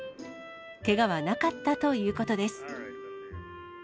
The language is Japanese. けがはなかったということです。